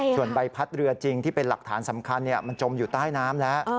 ส่วนใบพัดเรือจริงที่เป็นหลักฐานสำคัญมันจมอยู่ใต้น้ำแล้ว